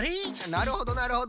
なるほどなるほど。